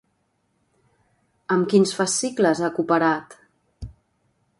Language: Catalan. Amb quins fascicles ha cooperat?